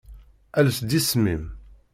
Ales-d isem-im.